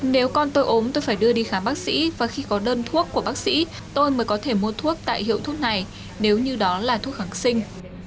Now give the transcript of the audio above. nếu con tôi ốm tôi phải đưa đi khám bác sĩ và khi có đơn thuốc của bác sĩ tôi mới có thể mua thuốc tại hiệu thuốc này nếu như đó là thuốc kháng sinh